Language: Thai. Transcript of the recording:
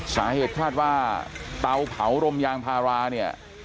สาเหตุคาดว่าเตาเผารมยางพาราเนี่ย